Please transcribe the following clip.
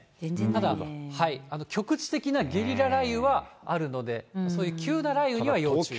ただ、局地的なゲリラ雷雨はあるので、そういう急な雷雨には要注意です。